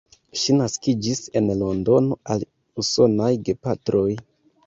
Ŝi naskiĝis en Londono al usonaj gepatroj.